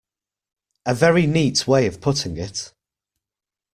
A very neat way of putting it.